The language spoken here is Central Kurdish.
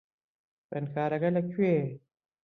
خوێندکارەکە لەکوێیە؟